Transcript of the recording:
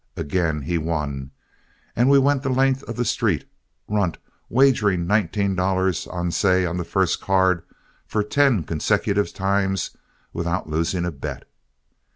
Again he won, and we went the length of the street, Runt wagering nineteen dollars alce on the first card for ten consecutive times without losing a bet.